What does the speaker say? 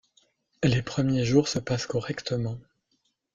Les premiers jours se passent correctement.